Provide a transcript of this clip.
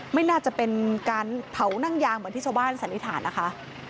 ไม่น่าจะเป็นการเผานั่งยางเหมือนที่ชาวบ้านสันนิษฐานนะคะ